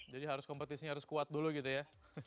jadi harus kompetisinya harus kuat dulu gitu ya